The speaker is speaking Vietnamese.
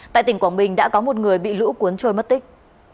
tại tỉnh quảng bình đã có một người bị lũ cuốn trôi mất tích